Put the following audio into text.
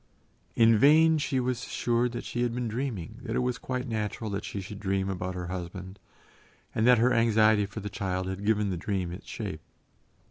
In vain she was assured that she had been dreaming, that it was quite natural that she should dream about her husband, and that her anxiety for the child had given the dream its shape.